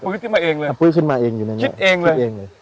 ขึ้นมาเองเลยฟื้นขึ้นมาเองอยู่ในนี้คิดเองเลยคิดเองเลย